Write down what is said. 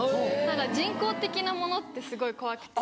人工的なものってすごい怖くて。